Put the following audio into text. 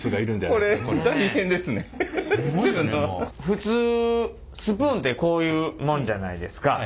普通スプーンってこういうもんじゃないですか。